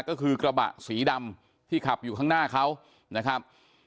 ก็คือกระบะสีดำที่ขับอยู่ข้างหน้าเขานะครับ